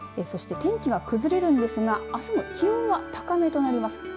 そして天気は崩れるんですがあすも気温は高めとなります。